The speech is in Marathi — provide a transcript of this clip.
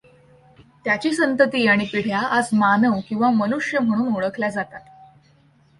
त्याची संतती आणि पिढ्या आज मानव किंवा मनुष्य म्हणून ओळखल्या जातात.